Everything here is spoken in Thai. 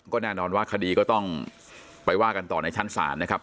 ก็แน่นอนว่าคดีก็ต้องไปว่ากันต่อในชั้นศาลนะครับ